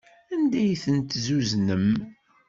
Anda ay ten-tezzuznem?